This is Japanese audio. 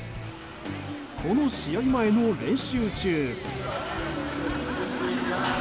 この試合前の練習中。